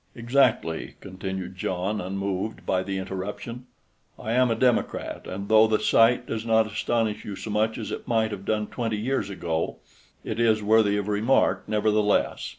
"Exactly," continued John, unmoved by the interruption. "I am a Democrat, and though the sight does not astonish you so much as it might have done twenty years ago, it is worthy of remark, nevertheless.